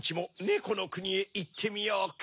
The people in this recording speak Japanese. このくにへいってみようか？